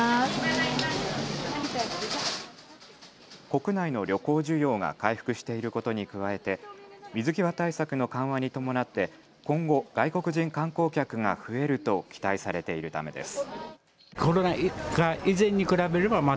国内の旅行需要が回復していることに加えて水際対策の緩和に伴って今後、外国人観光客が増えると期待されているためです。